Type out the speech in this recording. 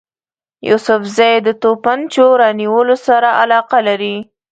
یوسفزي له توپنچو رانیولو سره علاقه لري.